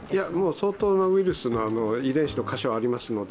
相当なウイルスの遺伝子の箇所がありますので。